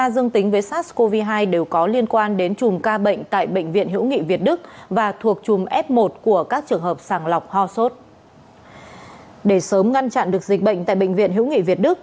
để sớm ngăn chặn được dịch bệnh tại bệnh viện hữu nghị việt đức